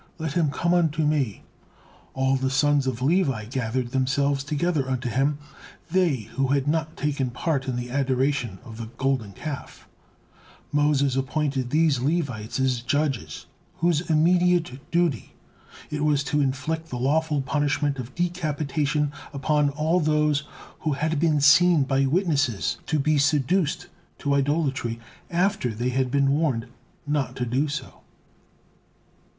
Let him come unto me," all the sons of Levi gathered themselves together unto him they who had not taken part in the adoration of the Golden Calf, Moses appointed these Levites as judges, whose immediate duty it was to inflict the lawful punishment of decapitation upon all those who had been seen by witnesses to be seduced to idolatry after they had been warned not to do so.